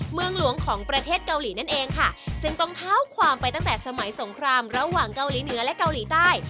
เมืองหลวงของประเทศเกาหลีนั่นเองค่ะซึ่งต้องเท้าความไปตั้งแต่สมัยสงครามระหว่างเกาหลีเหนือและเกาหลีใต้